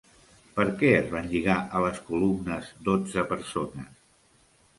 Per què es van lligar a les columnes dotze persones?